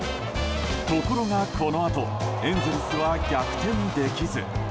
ところが、このあとエンゼルスは逆転できず。